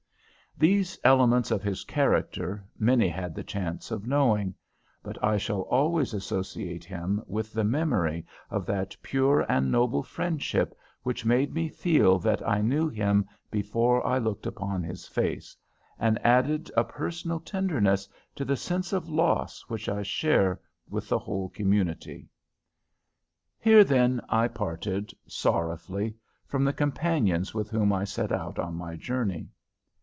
These elements of his character many had the chance of knowing; but I shall always associate him with the memory of that pure and noble friendship which made me feel that I knew him before I looked upon his face, and added a personal tenderness to the sense of loss which I share with the whole community. Here, then, I parted, sorrowfully, from the companions with whom I set out on my journey.